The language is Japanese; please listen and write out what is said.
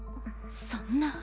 そんな。